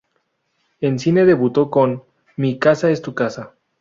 En cine debutó con "Mi casa es tu casa".